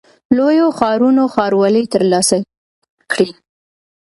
لویو ښارونو ښاروالۍ ترلاسه کړې.